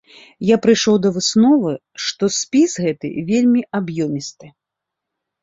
Я прыйшоў да высновы, што спіс гэты вельмі аб'ёмісты.